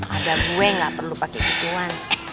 ada gue gak perlu pake gituan